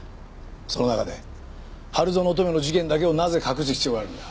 その中で春薗乙女の事件だけをなぜ隠す必要があるんだ？